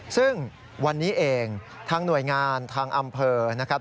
ซึ่งวันนี้เองทางหน่วยงานทางอำเภอนะครับ